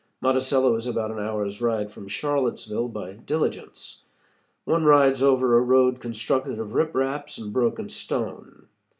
Monticello is about an hour's ride from Charlottesville, by diligence. One rides over a road constructed of rip raps and broken stone.